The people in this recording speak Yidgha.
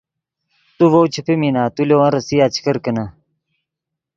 تو ڤؤ چے پیمینا تو لے ون ریسیا چے کرکینے